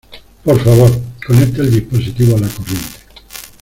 Por favor, conecte el dispositivo a la corriente.